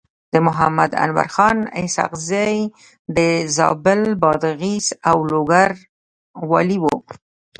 محمد انورخان اسحق زی د زابل، بادغيس او لوګر والي و.